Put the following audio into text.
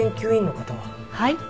はい。